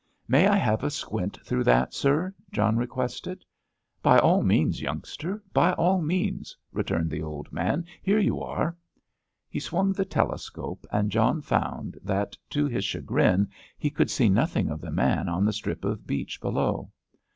"May I have a squint through that, sir?" John requested. "By all means, youngster, by all means," returned the old man; "here you are." He swung the telescope, and John found that, to his chagrin, he could see nothing of the man on the strip of beach below.